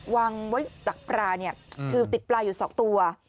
วางไว้จากปลาเนี่ยคือติดปลาอยู่๒ตัว